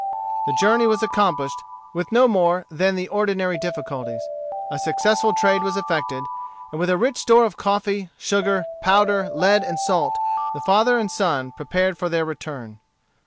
The journey was accomplished with no more than the ordinary difficulties. A successful trade was effected, and with a rich store of coffee, sugar, powder, lead, and salt, the father and son prepared for their return.